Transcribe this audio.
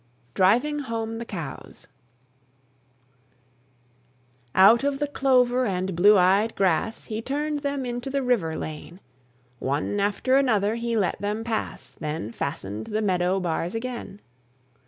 DRIVING HOME THE COWS. Out of the clover and blue eyed grass He turned them into the river lane; One after another he let them pass, Then fastened the meadow bars again.